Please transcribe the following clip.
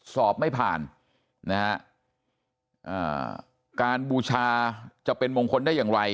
สอบไม่ผ่านนะฮะการบูชาจะเป็นมงคลได้อย่างไร